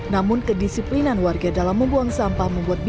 namun kedisiplinan warga dalam membuang sampah membuat bisnis